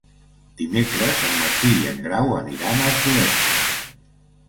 Dimecres en Martí i en Grau aniran a Alcoletge.